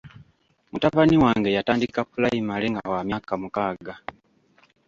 Mutabani wange yatandika pulayimale nga wa myaka mukaaga.